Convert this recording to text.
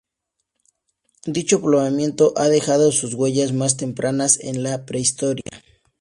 Dicho poblamiento ha dejado sus huellas más tempranas en la Prehistoria.